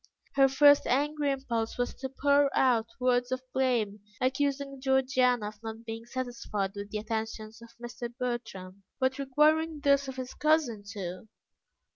Her first angry impulse was to pour out words of blame, accusing Georgiana of not being satisfied with the attentions of Mr. Bertram, but requiring those of his cousin too.